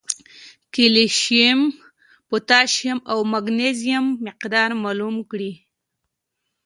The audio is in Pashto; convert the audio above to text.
کېلشیم ، پوټاشیم او مېګنيشم مقدار معلوم کړي